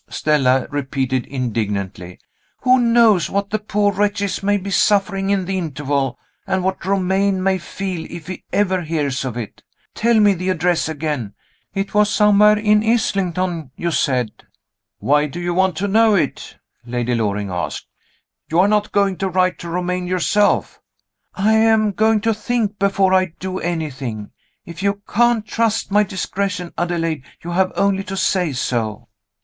Stella repeated indignantly. "Who knows what the poor wretches may be suffering in the interval, and what Romayne may feel if he ever hears of it? Tell me the address again it was somewhere in Islington, you said." "Why do you want to know it?" Lady Loring asked. "You are not going to write to Romayne yourself?" "I am going to think, before I do anything. If you can't trust my discretion, Adelaide, you have only to say so!"